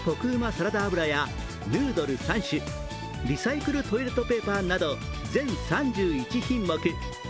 サラダ油、ヌードル３種、リサイクルトイレットペーパーなど全３１品目。